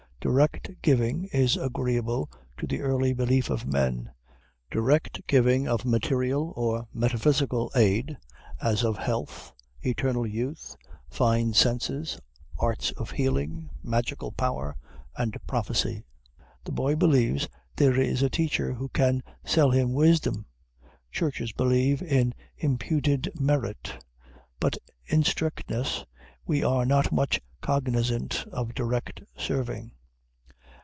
Direct giving is agreeable to the early belief of men; direct giving of material or metaphysical aid, as of health, eternal youth, fine senses, arts of healing, magical power, and prophecy. The boy believes there is a teacher who can sell him wisdom. Churches believe in imputed merit. But, in strictness, we are not much cognizant of direct serving.